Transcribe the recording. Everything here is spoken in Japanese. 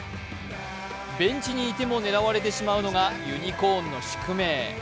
ベンチにいても狙われてしまうのがユニコーンの宿命。